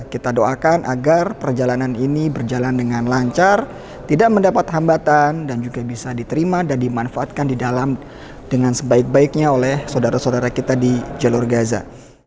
kita doakan agar perjalanan ini berjalan dengan lancar tidak mendapat hambatan dan juga bisa diterima dan dimanfaatkan di dalam dengan sebaik baiknya oleh saudara saudara kita di jalur gaza